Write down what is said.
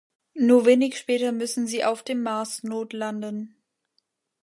Nur wenig später müssen sie auf dem Mars notlanden.